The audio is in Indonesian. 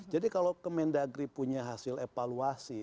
jadi kalau kemen negeri punya hasil evaluasi